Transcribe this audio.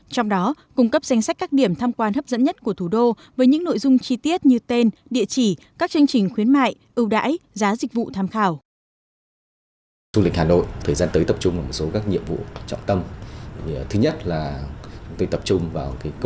trong đó cung cấp danh sách các điểm tham quan hấp dẫn nhất của thủ đô với những nội dung chi tiết như tên địa chỉ các chương trình khuyến mại ưu đãi giá dịch vụ tham khảo